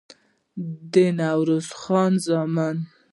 د نوروز خان زامن